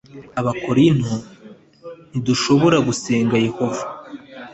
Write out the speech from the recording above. Abakorinto ntidushobora gusenga yehova